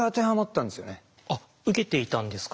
あっ受けていたんですか？